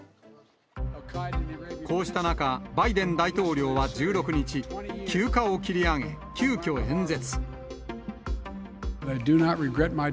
こうした中、バイデン大統領は１６日、休暇を切り上げ、急きょ演説。